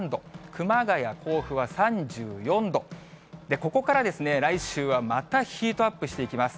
熊谷、甲府は３４度、ここから来週はまたヒートアップしていきます。